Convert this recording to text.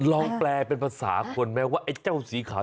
แปลเป็นภาษาคนไหมว่าไอ้เจ้าสีขาว